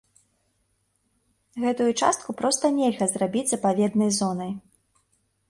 Гэтую частку проста нельга зрабіць запаведнай зонай.